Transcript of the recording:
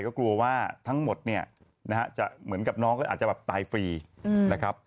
ก็กลัวว่าทั้งหมดเนี่ยนะฮะจะเหมือนกับน้องก็อาจจะแบบตายฟรีนะครับ